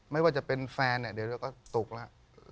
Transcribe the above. ไม่ว่าจะเป็นแฟนเนี่ยเดี๋ยวก็สุขแล้ว